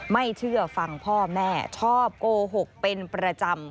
ไม่เชื่อฟังพ่อแม่ชอบโกหกเป็นประจำ